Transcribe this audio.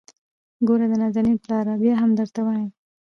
ګوره د نازنين پلاره ! بيا هم درته وايم.